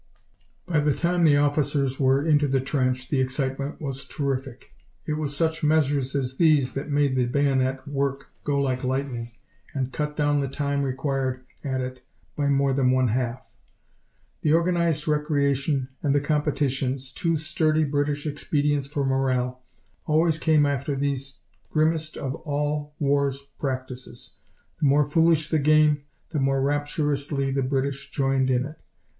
By the time the officers were into the trench, the excitement was terrific. It was such measures as these that made the bayonet work go like lightning, and cut down the time required at it by more than one half. The organized recreation and the competitions, two sturdy British expedients for morale, always came just after these grimmest of all of war's practices. The more foolish the game, the more rapturously the British joined in it.